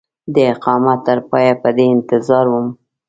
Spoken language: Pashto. د اقامت تر پایه په دې انتظار وم.